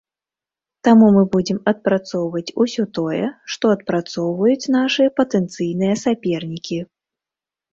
Таму мы будзем адпрацоўваць усё тое, што адпрацоўваюць нашы патэнцыйныя сапернікі.